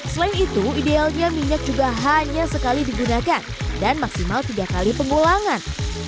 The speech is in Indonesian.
selain itu idealnya minyak juga hanya sekali digunakan dan maksimal tiga kali pengulangan